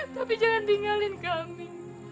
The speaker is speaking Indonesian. tapi jangan tinggalin kami